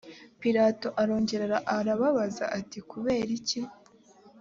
pilato arongera arababaza ati kubera iki‽